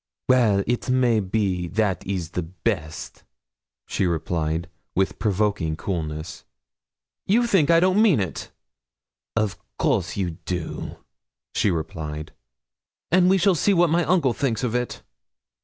'Well, it may be that is the best,' she replied, with provoking coolness. 'You think I don't mean it?' 'Of course you do,' she replied. 'And we shall see what my uncle thinks of it.'